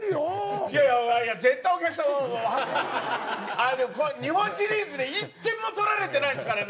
あのね日本シリーズで１点も取られてないんですからね